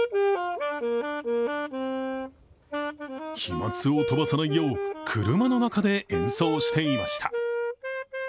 飛まつを飛ばさないよう車の中で演奏していました。